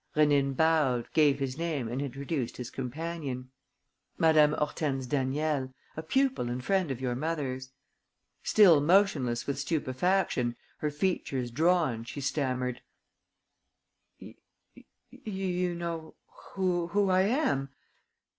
Rénine bowed, gave his name and introduced his companion: "Madame Hortense Daniel, a pupil and friend of your mother's." Still motionless with stupefaction, her features drawn, she stammered: "You know who I am?...